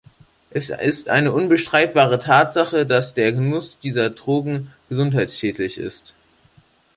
Es ist eine unbestreitbare Tatsache, dass der Genuss dieser Drogen gesundheitsschädlich ist.